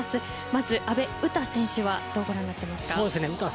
まず阿部詩選手はどうご覧になりますか。